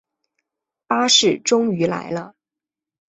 巴士终于来了